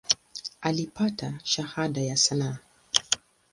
Alipata Shahada ya sanaa.